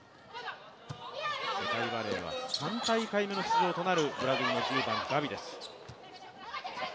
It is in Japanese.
世界バレーは３大会ぶりの出場となるブラジルの１０番ガビです。